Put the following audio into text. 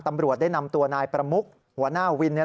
ตำรวจได้นำตัวนายประมุกหัวหน้าวินเนี่ย